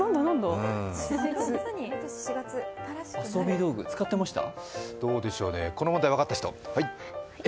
遊び道具、使ってました？